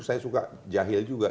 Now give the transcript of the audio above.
saya suka jahil juga